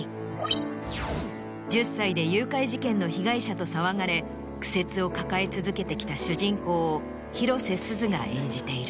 １０歳で誘拐事件の被害者と騒がれ苦節を抱え続けてきた主人公を広瀬すずが演じている。